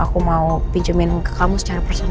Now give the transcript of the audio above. aku mau pinjemin ke kamu secara personal